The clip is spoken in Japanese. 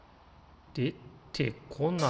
出てこない？